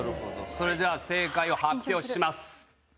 それでは正解を発表します。